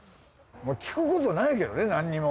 聞くことないけどねなんにも。